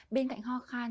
bên cạnh ho khan